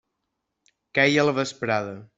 Queia la vesprada.